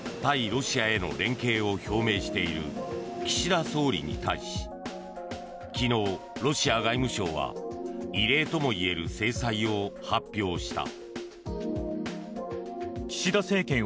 ロシアへの連携を表明している岸田総理に対し昨日、ロシア外務省は異例ともいえる制裁を発表した。